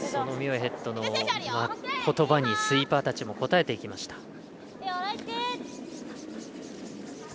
ミュアヘッドのことばにスイーパーたちも応えていきました。